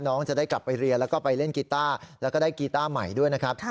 น้องจะได้กลับไปเรียนแล้วก็ไปเล่นกีต้าแล้วก็ได้กีต้าใหม่ด้วยนะครับ